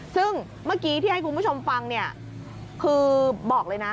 ซึ่งเมื่อกี้ที่ให้คุณผู้ชมฟังเนี่ยคือบอกเลยนะ